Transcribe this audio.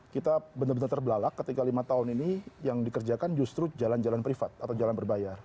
kita benar benar terbelalak ketika lima tahun ini yang dikerjakan justru jalan jalan privat atau jalan berbayar